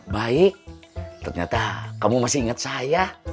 baik ternyata kamu masih ingat saya